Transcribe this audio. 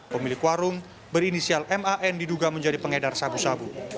pemilik warung berinisial man diduga menjadi pengedar sabu sabu